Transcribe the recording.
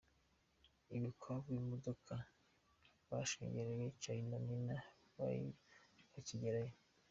I Bukavu imodoka bashungereye Charly na Nina bakigerayo.